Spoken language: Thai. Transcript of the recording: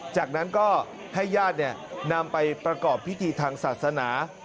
จากนั้นก็ให้ญาตินำไปประกอบพิธีทางศาสนา